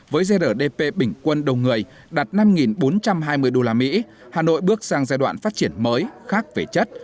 với grdp bình quân đầu người đạt năm bốn trăm hai mươi usd hà nội bước sang giai đoạn phát triển mới khác về chất